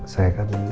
saya kan ini enggak